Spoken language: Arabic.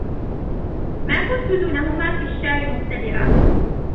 ما كنتُ دونهما في الشعرِ مقتدراً